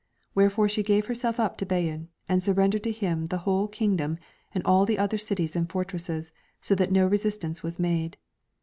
Wherefore she gave herself up to Bayan, and surrendered to him the whole kingdom and all the other cities and fortresses, so that no resistance was made.